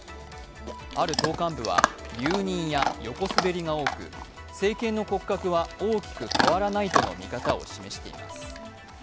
ある党幹部は留任や横滑りが多く政権の骨格は大きく変わらないとの見方を示しています。